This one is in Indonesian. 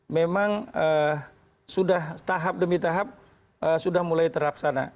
memang sudah tahap demi tahap sudah mulai terlaksana